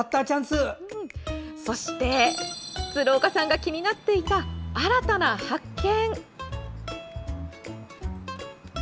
そして鶴岡さんが気になっていた新たな発見。